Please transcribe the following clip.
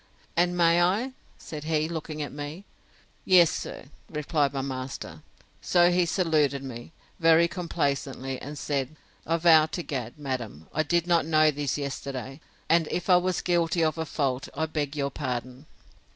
And may I? said he, looking at me. Yes, sir, replied my master. So he saluted me, very complaisantly; and said, I vow to Gad, madam, I did not know this yesterday; and if I was guilty of a fault, I beg your pardon.